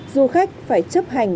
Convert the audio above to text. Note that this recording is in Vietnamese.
du khách phải chấp hành